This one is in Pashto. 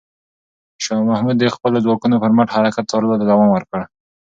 شاه محمود د خپلو ځواکونو پر مخ حرکت څارلو ته دوام ورکړ.